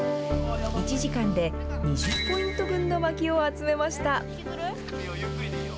１時間で２０ポイント分のまきを集めました。